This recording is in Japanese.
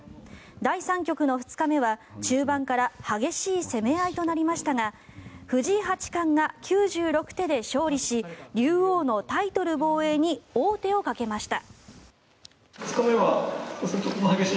第３局の２日目は、中盤から激しい攻め合いとなりましたが藤井八冠が９６手で勝利し竜王のタイトル防衛に王手をかけました。